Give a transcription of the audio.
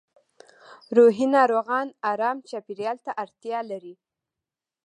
روحي ناروغان ارام چاپېریال ته اړتیا لري